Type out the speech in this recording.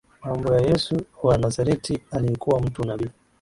Mambo ya Yesu wa Nazareti aliyekuwa mtu nabii